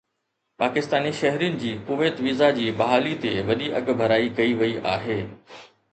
پاڪستاني شهرين جي Kuwait visa جي بحالي تي وڏي اڳڀرائي ڪئي وئي آهي